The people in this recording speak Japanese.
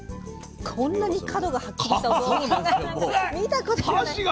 こんなに角がはっきりしたお豆腐なんか見たことない。